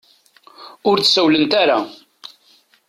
Ur d-sawlent ara.